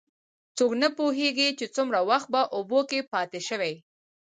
څوک نه پوهېږي، چې څومره وخت په اوبو کې پاتې شوی.